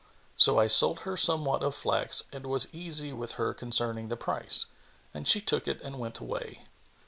So I sold her somewhat of flax and was easy with her concerning the price; and she took it and went away.